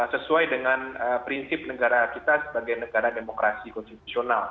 sesuai dengan prinsip negara kita sebagai negara demokrasi konstitusional